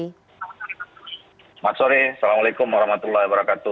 selamat sore assalamualaikum wr wb